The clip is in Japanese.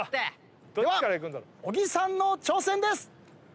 では小木さんの挑戦です！